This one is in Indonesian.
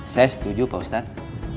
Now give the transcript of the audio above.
saya setuju pak ustadz